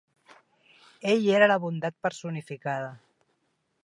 Ell era la bondat personificada.